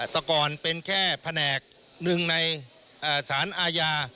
แต่ก่อนเป็นแค่แผนกหนึ่งในสารอาญา